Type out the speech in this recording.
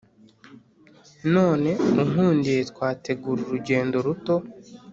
none unkundiye twategura urugendo ruto